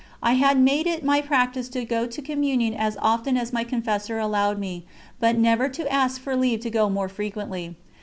I had made it my practice to go to Communion as often as my confessor allowed me, but never to ask for leave to go more frequently.